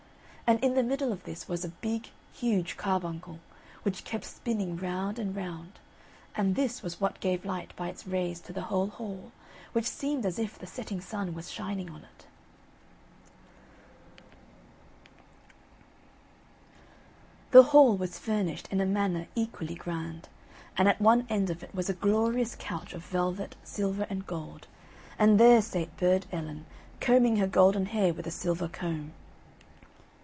And in the middle of this was a big, huge carbuncle, which kept spinning round and round, and this was what gave light by its rays to the whole hall, which seemed as if the setting sun was shining on it. The hall was furnished in a manner equally grand, and at one end of it was a glorious couch of velvet, silk and gold, and there sate Burd Ellen, combing her golden hair with a silver comb.